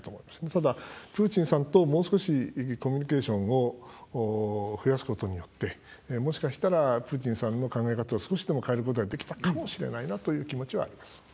ただ、プーチンさんと、もう少しコミュニケーションを増やすことによってもしかしたら、プーチンさんの考え方を少しでも変えることができたかもしれないなという気持ちはあります。